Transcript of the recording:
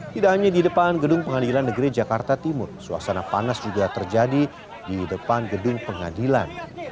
tidak hanya di depan gedung pengadilan negeri jakarta timur suasana panas juga terjadi di depan gedung pengadilan